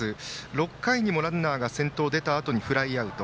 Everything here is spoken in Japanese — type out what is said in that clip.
６回にもランナーが先頭で出たあとにフライアウト。